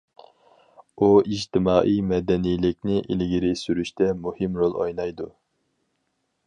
ئۇ ئىجتىمائىي مەدەنىيلىكنى ئىلگىرى سۈرۈشتە مۇھىم رول ئوينايدۇ.